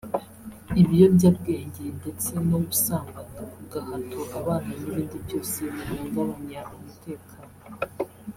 ibiyobyabwenge ndetse no gusambanya ku gahato abana n’ibindi byose bihungabanya umutekano